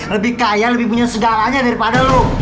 lebih kaya lebih punya segalanya daripada lo